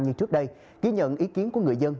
như trước đây ghi nhận ý kiến của người dân